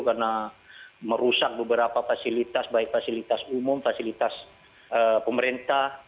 karena merusak beberapa fasilitas baik fasilitas umum fasilitas pemerintah